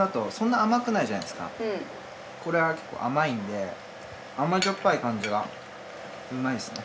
これは結構甘いんで甘じょっぱい感じがうまいですね。